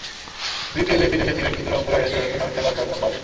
বিপিএলে ফিরে এসেছিলেন, কিন্তু রংপুর রাইডার্সের হয়ে টুর্নামেন্টটা কাটল একদম বাজে।